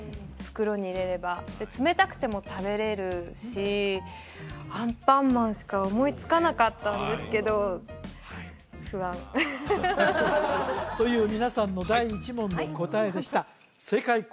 袋に入れれば冷たくても食べれるしアンパンマンしか思いつかなかったんですけど不安という皆さんの第１問の答えでした正解